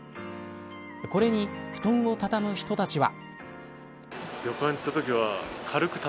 これに布団を畳む人たちは。